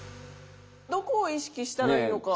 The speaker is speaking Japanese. どこを意識したらいいのか？